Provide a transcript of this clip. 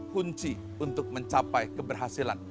kunci untuk mencapai keberhasilan